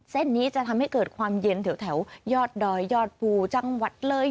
เส้นนี้จะทำให้เกิดความเย็นแถวยอดดอยยอดภูจังหวัดเลย